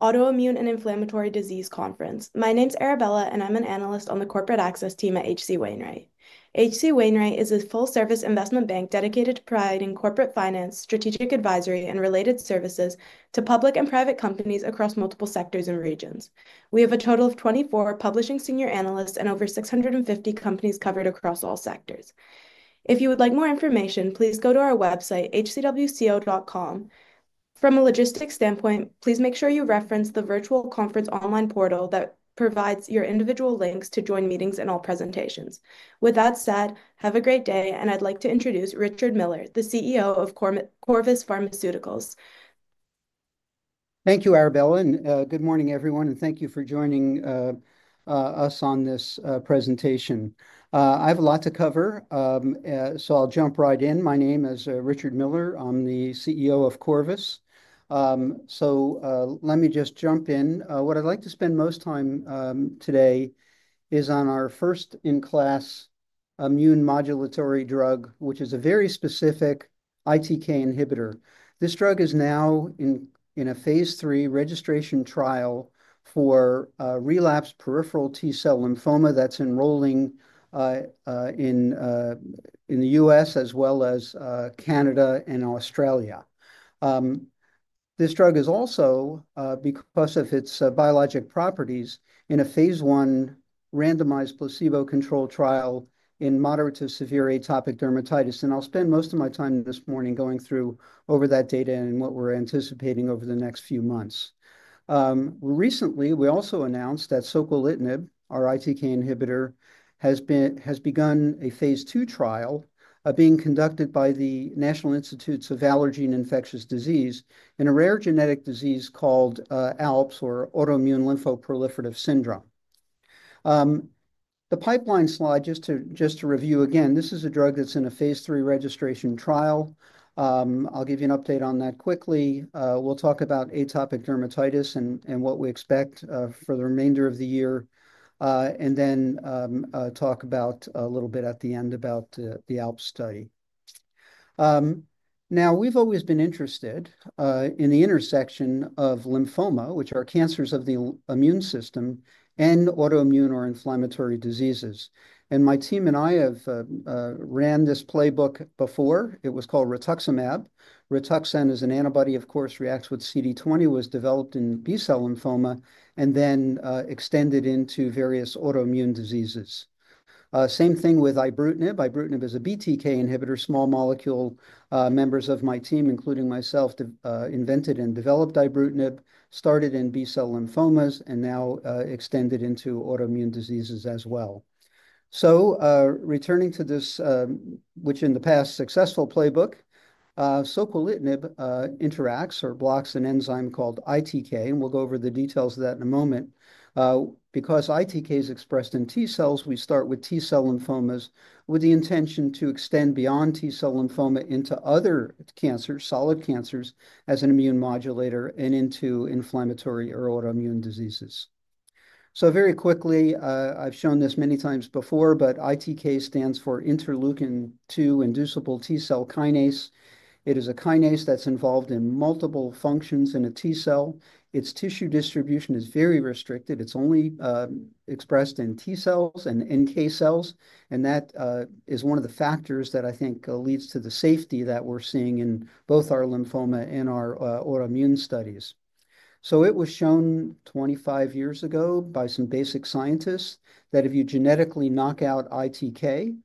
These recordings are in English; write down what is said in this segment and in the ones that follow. Autoimmune and Inflammatory Disease Conference. My name's Arabella, and I'm an analyst on the corporate access team at H.C. Wainwright. H.C. Wainwright is a full-service investment bank dedicated to providing corporate finance, strategic advisory, and related services to public and private companies across multiple sectors and regions. We have a total of 24 publishing senior analysts and over 650 companies covered across all sectors. If you would like more information, please go to our website, hcwco.com. From a logistics standpoint, please make sure you reference the virtual conference online portal that provides your individual links to join meetings and all presentations. With that said, have a great day, and I'd like to introduce Richard Miller, the CEO of Corvus Pharmaceuticals. Thank you, Arabella. Good morning, everyone, and thank you for joining us on this presentation. I have a lot to cover, so I'll jump right in. My name is Richard Miller. I'm the CEO of Corvus. Let me just jump in. What I'd like to spend most time today is on our first-in-class immune modulatory drug, which is a very specific ITK inhibitor. This drug is now in a phase III registration trial for relapsed peripheral T-cell lymphoma that's enrolling in the U.S. as well as Canada and Australia. This drug is also, because of its biologic properties, in a phase I randomized placebo-controlled trial in moderate to severe atopic dermatitis. I'll spend most of my time this morning going through over that data and what we're anticipating over the next few months. Recently, we also announced that soquelitinib, our ITK inhibitor, has begun a phase II trial being conducted by the National Institute of Allergy and Infectious Diseases in a rare genetic disease called ALPS, or autoimmune lymphoproliferative syndrome. The pipeline slide, just to review again, this is a drug that's in a phase III registration trial. I'll give you an update on that quickly. We'll talk about atopic dermatitis and what we expect for the remainder of the year, and then talk about a little bit at the end about the ALPS study. Now, we've always been interested in the intersection of lymphoma, which are cancers of the immune system, and autoimmune or inflammatory diseases. My team and I have ran this playbook before. It was called Rituxan. Rituxan is an antibody, of course, reacts with CD20, was developed in B-cell lymphoma, and then extended into various autoimmune diseases. Same thing with ibrutinib. Ibrutinib is a BTK inhibitor. Small molecule members of my team, including myself, invented and developed ibrutinib, started in B-cell lymphomas, and now extended into autoimmune diseases as well. Returning to this, which in the past successful playbook, soquelitinib interacts or blocks an enzyme called ITK, and we'll go over the details of that in a moment. Because ITK is expressed in T-cells, we start with T-cell lymphomas with the intention to extend beyond T-cell lymphoma into other cancers, solid cancers, as an immune modulator, and into inflammatory or autoimmune diseases. Very quickly, I've shown this many times before, but ITK stands for Interleukin-2-Inducible T-cell Kinase. It is a kinase that's involved in multiple functions in a T-cell. Its tissue distribution is very restricted. It's only expressed in T-cells and NK cells, and that is one of the factors that I think leads to the safety that we're seeing in both our lymphoma and our autoimmune studies. It was shown 25 years ago by some basic scientists that if you genetically knock out ITK,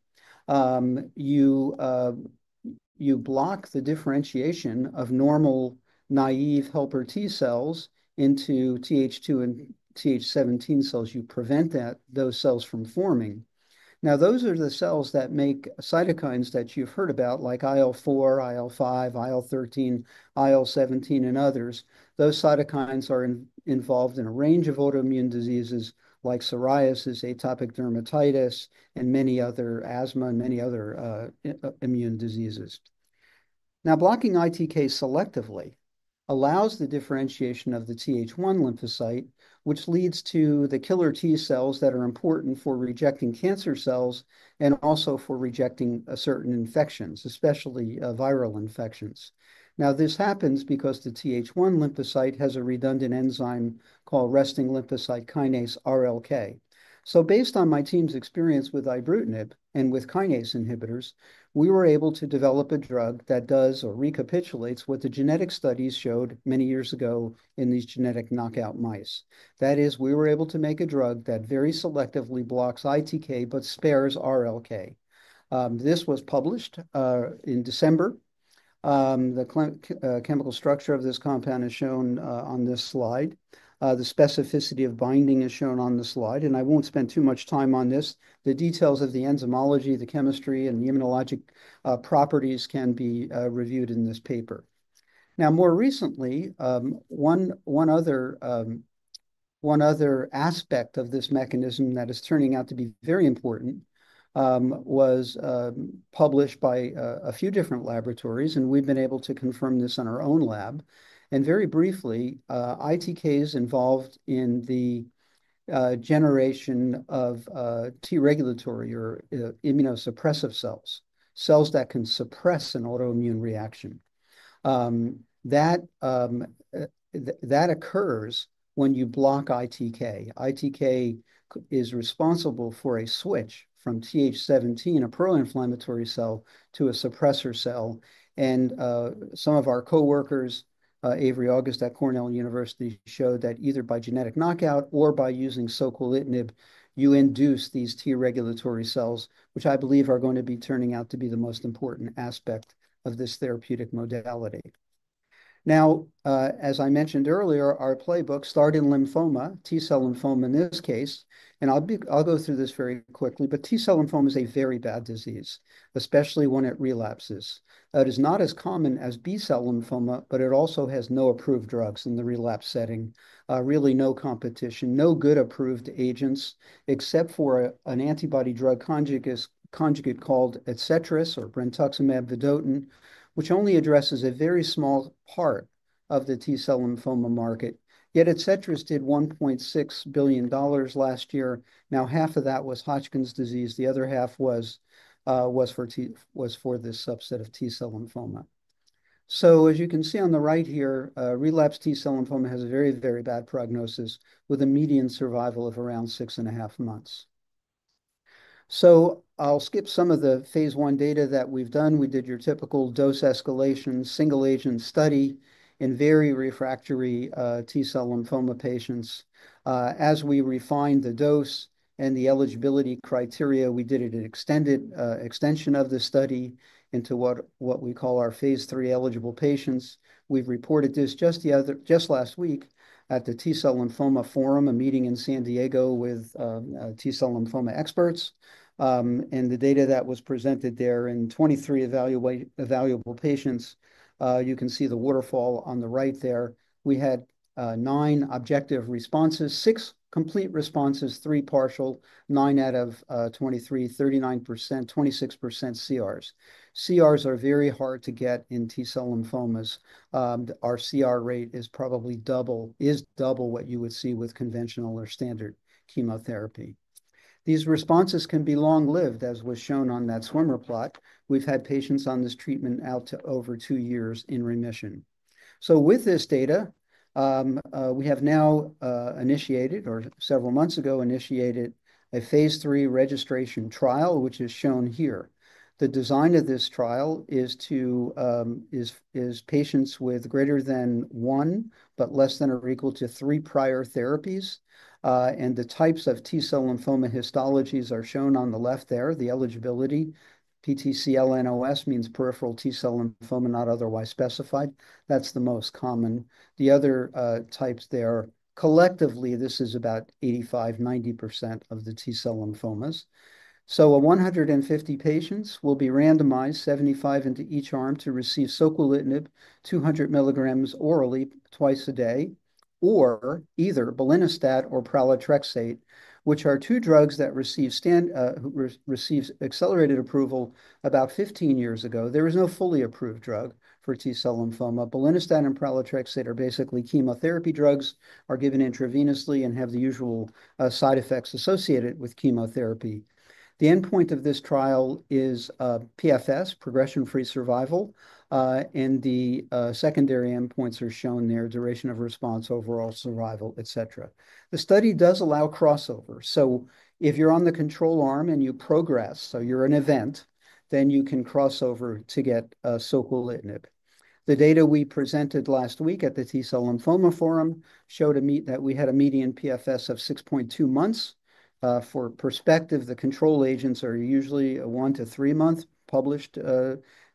you block the differentiation of normal naive helper T-cells into Th2 and Th17 cells. You prevent those cells from forming. Now, those are the cells that make cytokines that you've heard about, like IL-4, IL-5, IL-13, IL-17, and others. Those cytokines are involved in a range of autoimmune diseases like psoriasis, atopic dermatitis, and many other asthma, and many other immune diseases. Now, blocking ITK selectively allows the differentiation of the Th1 lymphocyte, which leads to the killer T-cells that are important for rejecting cancer cells and also for rejecting certain infections, especially viral infections. Now, this happens because the Th1 lymphocyte has a redundant enzyme called resting lymphocyte kinase RLK. Based on my team's experience with Ibrutinib and with kinase inhibitors, we were able to develop a drug that does or recapitulates what the genetic studies showed many years ago in these genetic knockout mice. That is, we were able to make a drug that very selectively blocks ITK but spares RLK. This was published in December. The chemical structure of this compound is shown on this slide. The specificity of binding is shown on the slide, and I won't spend too much time on this. The details of the enzymology, the chemistry, and the immunologic properties can be reviewed in this paper. Now, more recently, one other aspect of this mechanism that is turning out to be very important was published by a few different laboratories, and we've been able to confirm this in our own lab. Very briefly, ITK is involved in the generation of T regulatory or immunosuppressive cells, cells that can suppress an autoimmune reaction. That occurs when you block ITK. ITK is responsible for a switch from Th17, a pro-inflammatory cell, to a suppressor cell. Some of our coworkers, Avery August at Cornell University, showed that either by genetic knockout or by using soquelitinib, you induce these T regulatory cells, which I believe are going to be turning out to be the most important aspect of this therapeutic modality. As I mentioned earlier, our playbook started in lymphoma, T-cell lymphoma in this case. I'll go through this very quickly, but T-cell lymphoma is a very bad disease, especially when it relapses. It is not as common as B-cell lymphoma, but it also has no approved drugs in the relapse setting, really no competition, no good approved agents, except for an antibody drug conjugate called brentuximab vedotin, which only addresses a very small part of the T-cell lymphoma market. Yet brentuximab vedotin did $1.6 billion last year. Now, half of that was Hodgkin's disease. The other half was for this subset of T-cell lymphoma. As you can see on the right here, relapsed T-cell lymphoma has a very, very bad prognosis with a median survival of around six and a half months. I'll skip some of the phase I data that we've done. We did your typical dose escalation single-agent study in very refractory T-cell lymphoma patients. As we refined the dose and the eligibility criteria, we did an extended extension of the study into what we call our phase III eligible patients. We reported this just last week at the T-cell Lymphoma Forum, a meeting in San Diego with T-cell lymphoma experts. The data that was presented there in 23 evaluable patients, you can see the waterfall on the right there. We had nine objective responses, six complete responses, three partial, nine out of 23, 39%, 26% CRs. CRs are very hard to get in T-cell lymphomas. Our CR rate is probably double, is double what you would see with conventional or standard chemotherapy. These responses can be long-lived, as was shown on that swimmer plot. We have had patients on this treatment out to over two years in remission. With this data, we have now initiated, or several months ago initiated, a phase III registration trial, which is shown here. The design of this trial is patients with greater than one but less than or equal to three prior therapies, and the types of T-cell lymphoma histologies are shown on the left there, the eligibility. PTCL-NOS means peripheral T-cell lymphoma not otherwise specified. That's the most common. The other types there, collectively, this is about 85%-90% of the T-cell lymphomas. 150 patients will be randomized, 75 into each arm to receive soquelitinib 200 milligrams orally twice a day, or either belinostat or pralatrexate, which are two drugs that received accelerated approval about 15 years ago. There is no fully approved drug for T-cell lymphoma. Belinostat and pralatrexate are basically chemotherapy drugs, are given intravenously and have the usual side effects associated with chemotherapy. The endpoint of this trial is PFS, progression-free survival, and the secondary endpoints are shown there, duration of response, overall survival, et cetera. The study does allow crossover. If you're on the control arm and you progress, so you're an event, then you can crossover to get soquelitinib. The data we presented last week at the T-cell lymphoma Forum showed that we had a median PFS of 6.2 months. For perspective, the control agents are usually one- to three-month published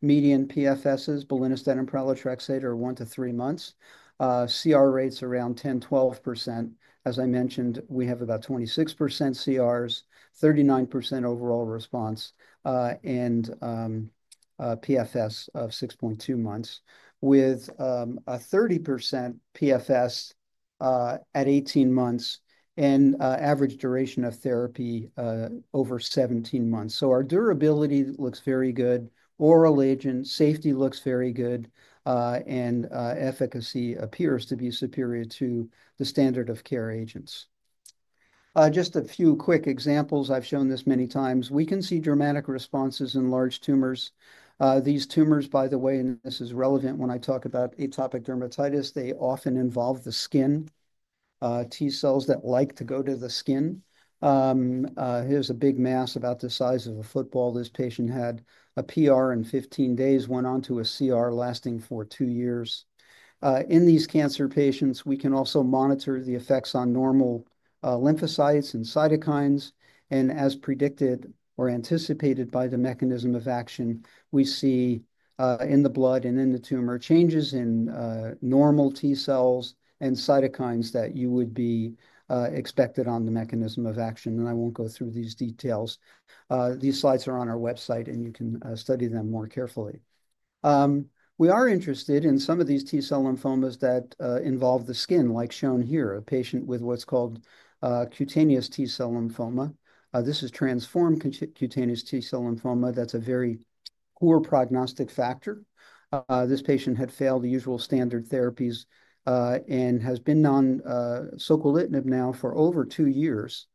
median PFSs. Belinostat and pralatrexate are one to three months. CR rates around 10%, 12%. As I mentioned, we have about 26% CRs, 39% overall response, and PFS of 6.2 months, with a 30% PFS at 18 months and average duration of therapy over 17 months. Our durability looks very good. Oral agent safety looks very good, and efficacy appears to be superior to the standard of care agents. Just a few quick examples. I've shown this many times. We can see dramatic responses in large tumors. These tumors, by the way, and this is relevant when I talk about atopic dermatitis, they often involve the skin, T-cells that like to go to the skin. Here's a big mass about the size of a football. This patient had a PR in 15 days, went on to a CR lasting for two years. In these cancer patients, we can also monitor the effects on normal lymphocytes and cytokines. As predicted or anticipated by the mechanism of action, we see in the blood and in the tumor changes in normal T-cells and cytokines that you would be expected on the mechanism of action. I won't go through these details. These slides are on our website, and you can study them more carefully. We are interested in some of these T-cell lymphomas that involve the skin, like shown here, a patient with what's called cutaneous T-cell lymphoma. This is transformed cutaneous T-cell lymphoma. That's a very poor prognostic factor. This patient had failed the usual standard therapies and has been on soquelitinib now for over two years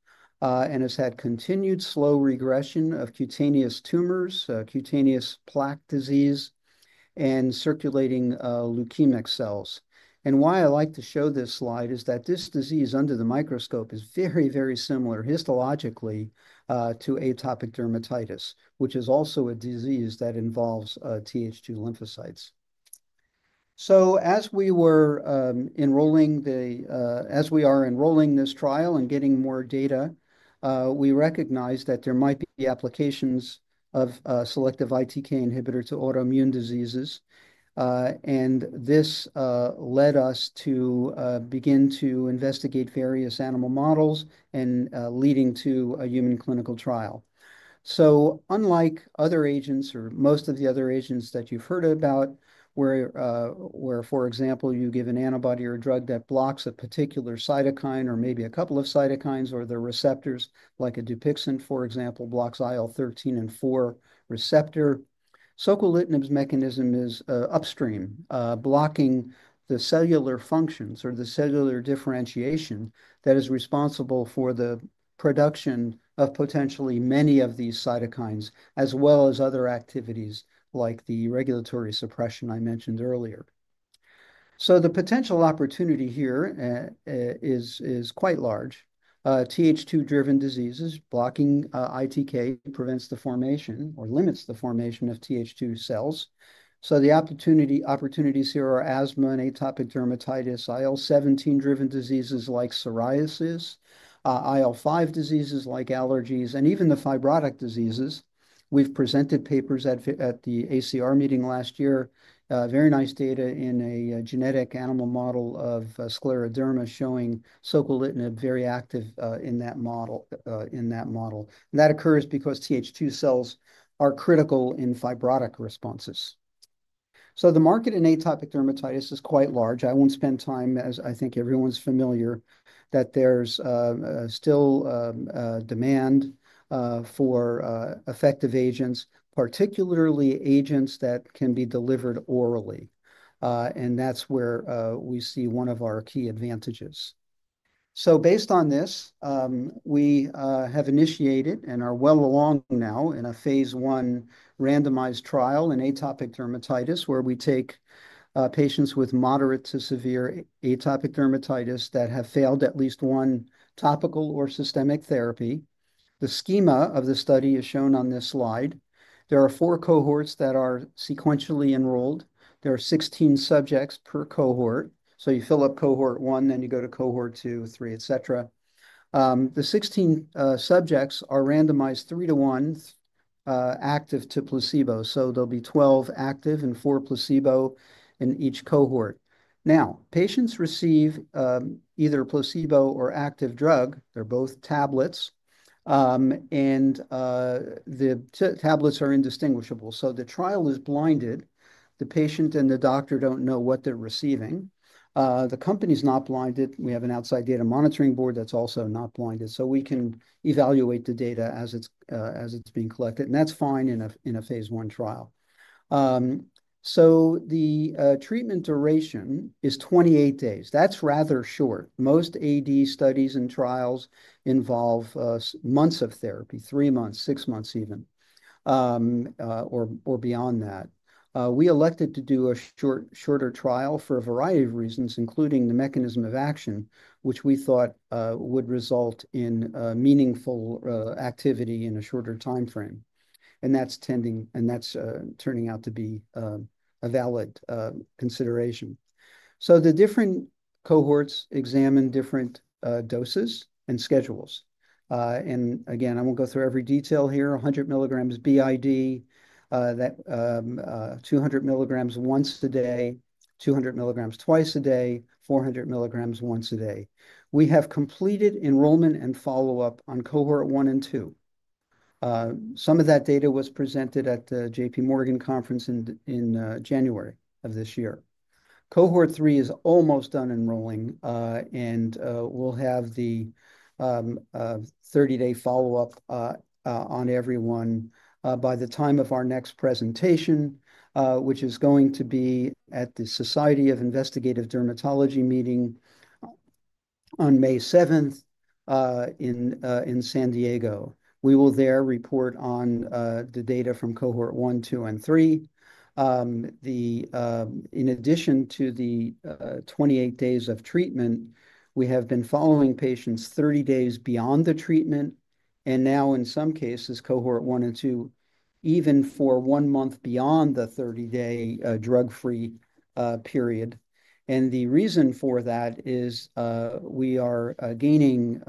and has had continued slow regression of cutaneous tumors, cutaneous plaque disease, and circulating leukemic cells. Why I like to show this slide is that this disease under the microscope is very, very similar histologically to atopic dermatitis, which is also a disease that involves Th2 lymphocytes. As we were enrolling, as we are enrolling this trial and getting more data, we recognized that there might be applications of selective ITK inhibitor to autoimmune diseases. This led us to begin to investigate various animal models and leading to a human clinical trial. Unlike other agents or most of the other agents that you've heard about, where, for example, you give an antibody or a drug that blocks a particular cytokine or maybe a couple of cytokines or the receptors, like Dupixent, for example, blocks IL-13 and 4 receptor, soquelitinib's mechanism is upstream, blocking the cellular functions or the cellular differentiation that is responsible for the production of potentially many of these cytokines, as well as other activities like the regulatory suppression I mentioned earlier. The potential opportunity here is quite large. Th2-driven diseases blocking ITK prevents the formation or limits the formation of Th2 cells. The opportunities here are asthma and atopic dermatitis, IL-17-driven diseases like psoriasis, IL-5 diseases like allergies, and even the fibrotic diseases. We've presented papers at the ACR meeting last year, very nice data in a genetic animal model of scleroderma showing soquelitinib very active in that model. That occurs because Th2 cells are critical in fibrotic responses. The market in atopic dermatitis is quite large. I won't spend time, as I think everyone's familiar, that there's still demand for effective agents, particularly agents that can be delivered orally. That's where we see one of our key advantages. Based on this, we have initiated and are well along now in a phase I randomized trial in atopic dermatitis where we take patients with moderate to severe atopic dermatitis that have failed at least one topical or systemic therapy. The schema of the study is shown on this slide. There are four cohorts that are sequentially enrolled. There are 16 subjects per cohort. You fill up cohort one, then you go to cohort two, three, et cetera. The 16 subjects are randomized three to one active to placebo. There will be 12 active and four placebo in each cohort. Patients receive either placebo or active drug. They are both tablets, and the tablets are indistinguishable. The trial is blinded. The patient and the doctor do not know what they are receiving. The company is not blinded. We have an outside data monitoring board that is also not blinded. We can evaluate the data as it is being collected. That is fine in a phase I trial. The treatment duration is 28 days. That is rather short. Most AD studies and trials involve months of therapy, three months, six months even, or beyond that. We elected to do a shorter trial for a variety of reasons, including the mechanism of action, which we thought would result in meaningful activity in a shorter timeframe. That is turning out to be a valid consideration. The different cohorts examined different doses and schedules. Again, I won't go through every detail here. 100 mg b.i.d., 200 mg once a day, 200 mg twice a day, 400 mg once a day. We have completed enrollment and follow-up on cohort one and two. Some of that data was presented at the JP Morgan Conference in January of this year. Cohort three is almost done enrolling, and we'll have the 30-day follow-up on everyone by the time of our next presentation, which is going to be at the Society of Investigative Dermatology meeting on May 7th in San Diego. We will there report on the data from cohort one, two, and three. In addition to the 28 days of treatment, we have been following patients 30 days beyond the treatment, and now in some cases, cohort one and two, even for one month beyond the 30-day drug-free period. The reason for that is we are gaining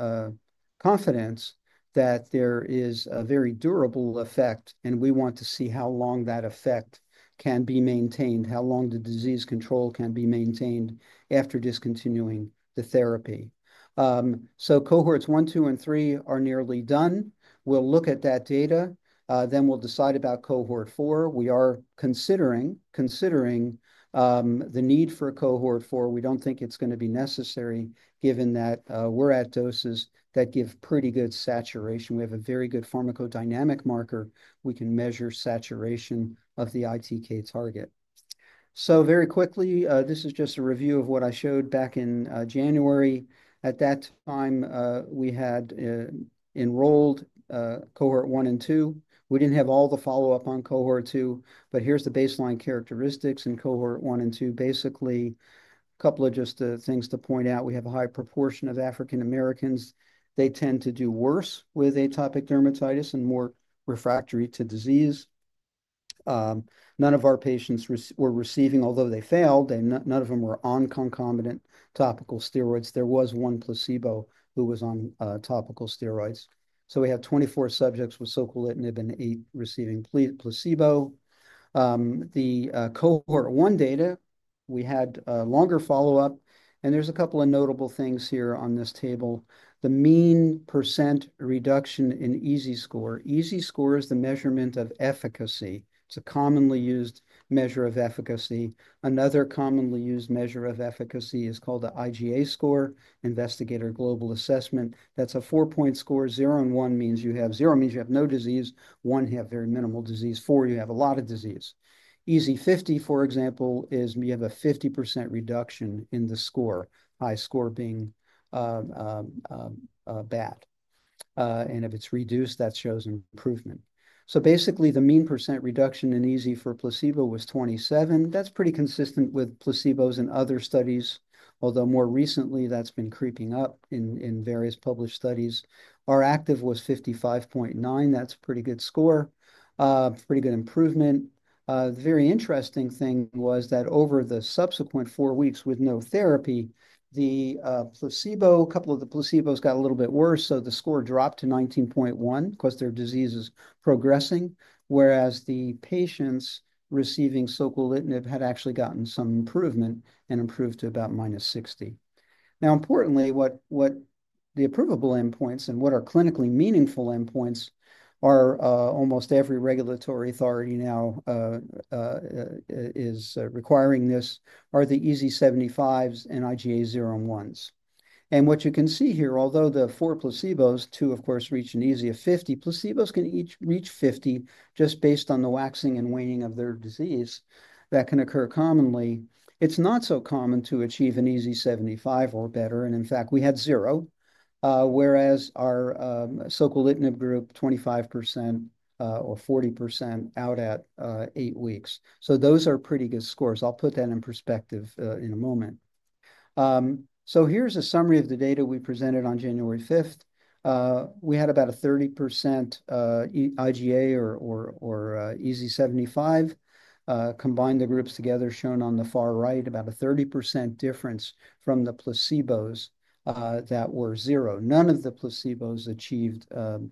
confidence that there is a very durable effect, and we want to see how long that effect can be maintained, how long the disease control can be maintained after discontinuing the therapy. Cohorts one, two, and three are nearly done. We'll look at that data. We'll decide about cohort four. We are considering the need for cohort four. We don't think it's going to be necessary given that we're at doses that give pretty good saturation. We have a very good pharmacodynamic marker. We can measure saturation of the ITK target. Very quickly, this is just a review of what I showed back in January. At that time, we had enrolled cohort one and two. We did not have all the follow-up on cohort two, but here are the baseline characteristics in cohort one and two. Basically, a couple of things to point out. We have a high proportion of African-Americans. They tend to do worse with atopic dermatitis and are more refractory to disease. None of our patients were receiving, although they failed, none of them were on concomitant topical steroids. There was one placebo who was on topical steroids. We had 24 subjects with soquelitinib and eight receiving placebo. The cohort one data, we had longer follow-up, and there are a couple of notable things here on this table. The mean percent reduction in EASI score. EASI Score is the measurement of efficacy. It's a commonly used measure of efficacy. Another commonly used measure of efficacy is called the IGA Score, Investigator Global Assessment. That's a four-point score. Zero and one means you have zero means you have no disease. One have very minimal disease. Four, you have a lot of disease. EASI 50, for example, is you have a 50% reduction in the score, high score being bad. If it's reduced, that shows improvement. Basically, the mean percent reduction in EASI for placebo was 27%. That's pretty consistent with placebos in other studies, although more recently, that's been creeping up in various published studies. Our active was 55.9%. That's a pretty good score, pretty good improvement. The very interesting thing was that over the subsequent four weeks with no therapy, a couple of the placebos got a little bit worse. The score dropped to 19.1 because their disease is progressing, whereas the patients receiving soquelitinib had actually gotten some improvement and improved to about -60. Importantly, what the approvable endpoints and what are clinically meaningful endpoints are, almost every regulatory authority now is requiring this, are the EASI 75s and IGA 0/1s. What you can see here, although the four placebos, two, of course, reach an EASI of 50, placebos can each reach 50 just based on the waxing and waning of their disease that can occur commonly. It is not so common to achieve an EASI 75 or better. In fact, we had zero, whereas our soquelitinib group, 25% or 40% out at eight weeks. Those are pretty good scores. I'll put that in perspective in a moment. Here is a summary of the data we presented on January 5th. We had about a 30% IGA or EASI 75. Combine the groups together shown on the far right, about a 30% difference from the placebos that were zero. None of the placebos achieved the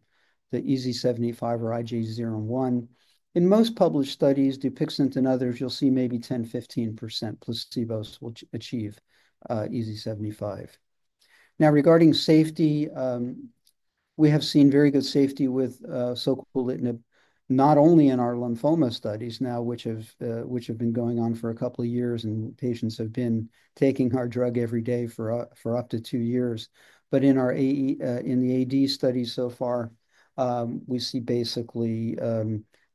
EASI 75 or IGA 0/1. In most published studies, Dupixent and others, you'll see maybe 10%-15% placebos will achieve EASI 75. Now, regarding safety, we have seen very good safety with soquelitinib, not only in our lymphoma studies now, which have been going on for a couple of years and patients have been taking our drug every day for up to two years. In the AD studies so far, we see basically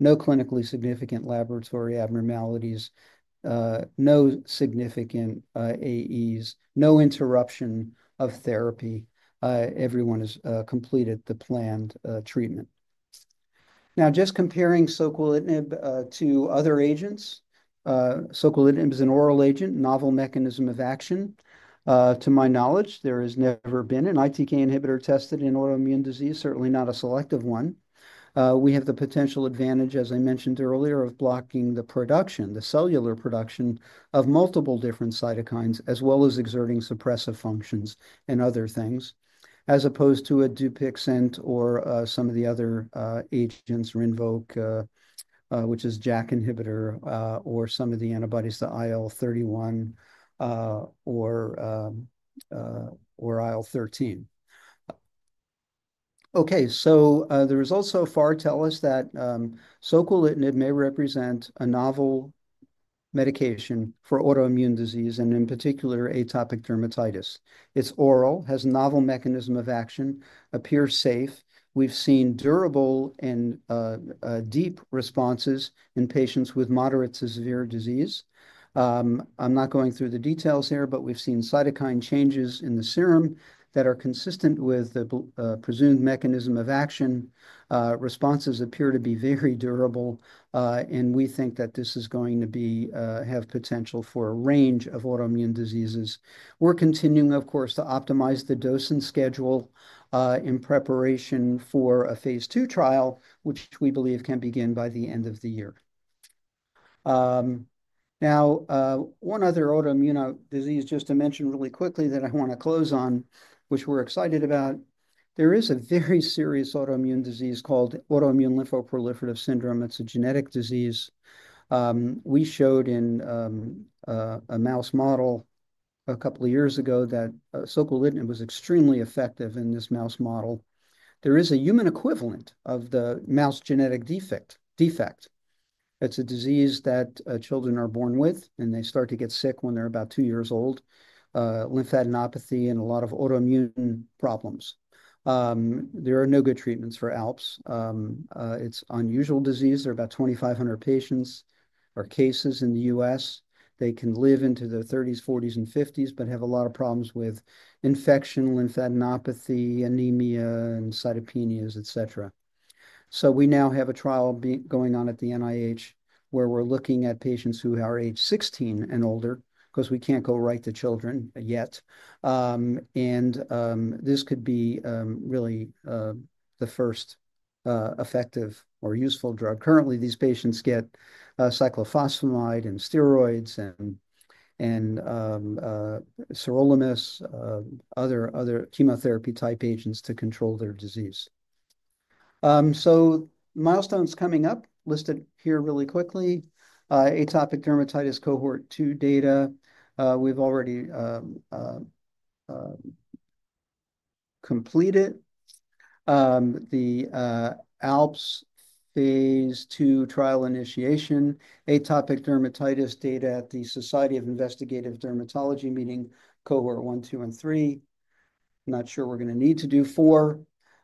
no clinically significant laboratory abnormalities, no significant AEs, no interruption of therapy. Everyone has completed the planned treatment. Now, just comparing soquelitinib to other agents, soquelitinib is an oral agent, novel mechanism of action. To my knowledge, there has never been an ITK inhibitor tested in autoimmune disease, certainly not a selective one. We have the potential advantage, as I mentioned earlier, of blocking the production, the cellular production of multiple different cytokines, as well as exerting suppressive functions and other things, as opposed to a Dupixent or some of the other agents, Rinvoq, which is JAK inhibitor, or some of the antibodies, the IL-31 or IL-13. The results so far tell us that soquelitinib may represent a novel medication for autoimmune disease and in particular, atopic dermatitis. It's oral, has a novel mechanism of action, appears safe. We've seen durable and deep responses in patients with moderate to severe disease. I'm not going through the details here, but we've seen cytokine changes in the serum that are consistent with the presumed mechanism of action. Responses appear to be very durable, and we think that this is going to have potential for a range of autoimmune diseases. We're continuing, of course, to optimize the dose and schedule in preparation for a phase II trial, which we believe can begin by the end of the year. Now, one other autoimmune disease, just to mention really quickly that I want to close on, which we're excited about. There is a very serious autoimmune disease called Autoimmune Lymphoproliferative Syndrome. It's a genetic disease. We showed in a mouse model a couple of years ago that soquelitinib was extremely effective in this mouse model. There is a human equivalent of the mouse genetic defect. It's a disease that children are born with, and they start to get sick when they're about two years old, lymphadenopathy, and a lot of autoimmune problems. There are no good treatments for ALPS. It's an unusual disease. There are about 2,500 patients or cases in the U.S. They can live into their 30s, 40s, and 50s but have a lot of problems with infection, lymphadenopathy, anemia, and cytopenias, et cetera. We now have a trial going on at the NIH where we're looking at patients who are age 16 and older because we can't go right to children yet. This could be really the first effective or useful drug. Currently, these patients get cyclophosphamide and steroids and sirolimus, other chemotherapy-type agents to control their disease. Milestones coming up listed here really quickly. Atopic dermatitis cohort two data, we've already completed the ALPS phase II trial initiation, atopic dermatitis data at the Society of Investigative Dermatology meeting, cohort one, two, and three. Not sure we're going to need to do four.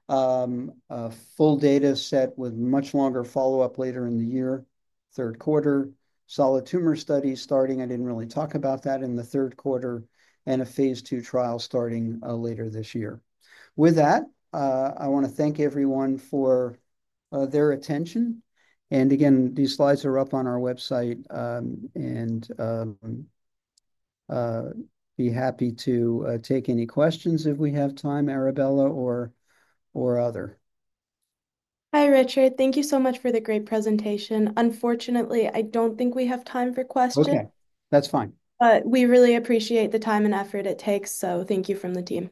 Full data set with much longer follow-up later in the year, third quarter. Solid tumor studies starting, I didn't really talk about that in the third quarter, and a phase II trial starting later this year. With that, I want to thank everyone for their attention. These slides are up on our website, and be happy to take any questions if we have time, Arabella or other. Hi, Richard. Thank you so much for the great presentation. Unfortunately, I don't think we have time for questions. Okay. That's fine. We really appreciate the time and effort it takes. Thank you from the team.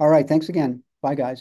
All right. Thanks again. Bye, guys.